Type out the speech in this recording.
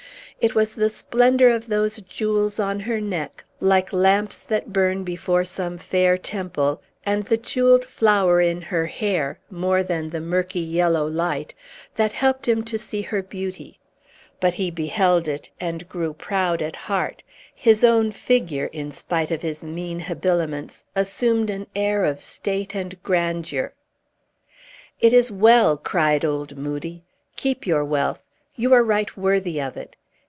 It was the splendor of those jewels on her neck, like lamps that burn before some fair temple, and the jewelled flower in her hair, more than the murky, yellow light, that helped him to see her beauty. But he beheld it, and grew proud at heart; his own figure, in spite of his mean habiliments, assumed an air of state and grandeur. "It is well," cried old Moodie. "Keep your wealth. You are right worthy of it.